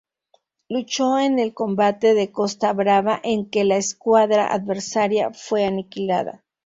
Luchó en el combate de Costa Brava en que la escuadra adversaria fue aniquilada.